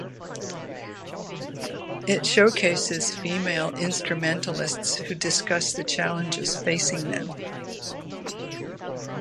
It showcases female instrumentalists who discuss the challenges facing them.